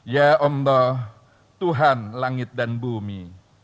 ya allah tuhan langit dan bumi